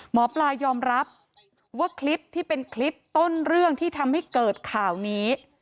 หมอปลายอมรับว่าคลิปที่เป็นคลิปต้นเรื่องที่ทำให้เกิดข่าวนี้